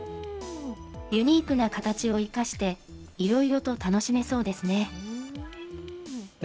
ユニークな形を生かして、いろいろと楽しめそうですね。